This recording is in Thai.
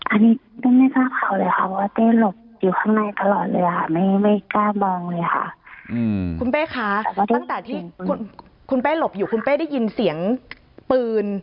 อันนี้ไม่ทราบหรอกเลยค่ะเพราะว่าเจ๊หลบอยู่ข้างในตลอดเลยค่ะไม่กล้ามองเลยค่ะ